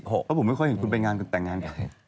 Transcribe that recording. ก็ผมไม่ค่อยเห็นคุณไปงานกับแต่งงาน